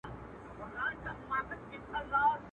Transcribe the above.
زه دي نه وینم د خپل زړگي پاچا سې.